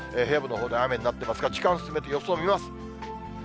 平野部のほうでは雨になってますが、時間進めて予想見ます。